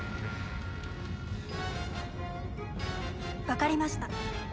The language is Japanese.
わかりました。